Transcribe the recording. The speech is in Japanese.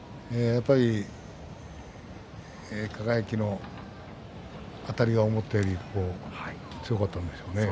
やっぱり輝のあたりが思ったより強かったんでしょうね。